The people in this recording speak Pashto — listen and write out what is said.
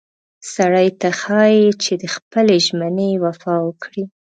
سړي ته ښایي چې د خپلې ژمنې وفا وکړي.